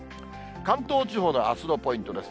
関東地方のあすのポイントです。